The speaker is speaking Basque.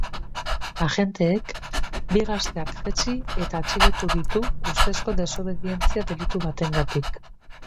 Agenteek bi gazteak jaitsi eta atxilotu ditu ustezko desobedientzia delitu batengatik.